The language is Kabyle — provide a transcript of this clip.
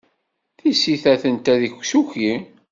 Tisita atenta deg usuki.